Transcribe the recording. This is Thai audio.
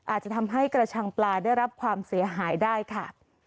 อาจจะทำให้กระชังปลาได้รับความเสียหายได้ค่ะ